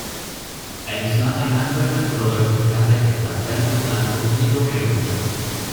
En Islamaj landoj la koloroj preferataj estas verdo, blanko, nigro kaj ruĝo.